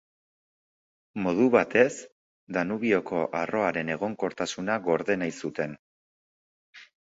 Modu batez, Danubioko arroaren egonkortasuna gorde nahi zuten.